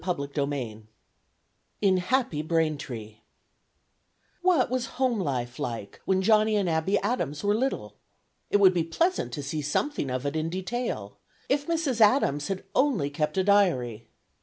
CHAPTER VII IN HAPPY BRAINTREE WHAT was home life like, when Johnny and Abby Adams were little? It would be pleasant to see something of it in detail; if Mrs. Adams had only kept a diary!